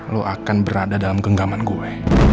lo akan berada dalam genggaman gue